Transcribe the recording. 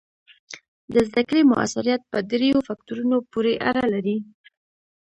د زده کړې مؤثریت په دریو فکتورونو پورې اړه لري.